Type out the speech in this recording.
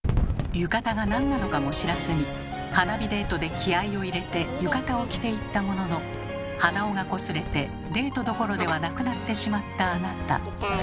浴衣がなんなのかも知らずに花火デートで気合いを入れて浴衣を着ていったものの鼻緒がこすれてデートどころではなくなってしまったあなた。